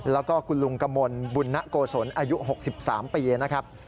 แล้วก็คุณลุงกมลบุญนโกศลอายุ๖๓ปีนะครับ